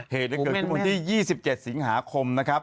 เหตุเกิดขึ้นวันที่๒๗สิงหาคมนะครับ